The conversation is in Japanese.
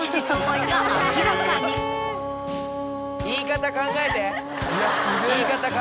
言い方考えて。